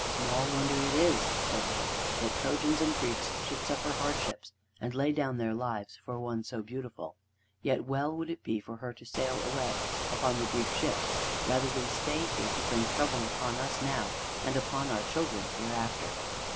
"Small wonder is it," said they, "that Trojans and Greeks should suffer hardships and lay down their lives for one so beautiful. Yet well would it be for her to sail away upon the Greek ships rather than stay here to bring trouble upon us now, and upon our children hereafter."